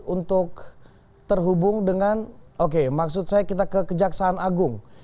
untuk terhubung dengan oke maksud saya kita ke kejaksaan agung